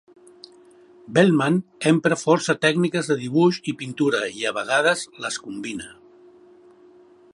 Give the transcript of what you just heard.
Veltman empra força tècniques de dibuix i pintura, i a vegades les combina.